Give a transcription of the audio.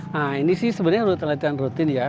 nah ini sih sebenarnya latihan rutin ya